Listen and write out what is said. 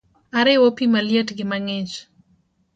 Ariwo pi maliet gi mang’ich